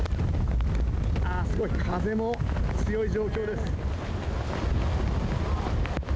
あー、すごい風も強い状況です。